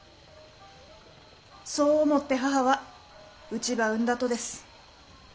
そう思って母はうちば産んだとです。